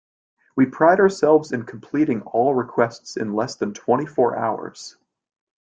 We pride ourselves in completing all requests in less than twenty four hours.